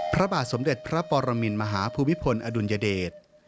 พระบาทสมเด็จพระปรมินมหาภูมิพลอดุลยเดช